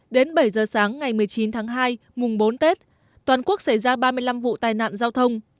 đến bảy giờ sáng ngày một mươi chín tháng hai mùng bốn tết toàn quốc xảy ra ba mươi năm vụ tai nạn giao thông